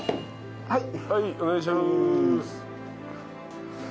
はいお願いします。